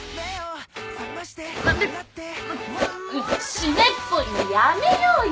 湿っぽいのやめようよ！